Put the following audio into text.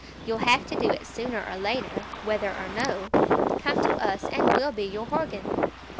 You'll have to do it sooner or later, whether or no. Come to us and we'll be your horgan."